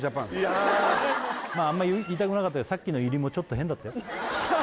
あんま言いたくなかったさっきの入りもちょっと変だったよ